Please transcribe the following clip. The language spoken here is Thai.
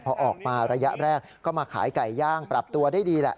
พอออกมาระยะแรกก็มาขายไก่ย่างปรับตัวได้ดีแหละ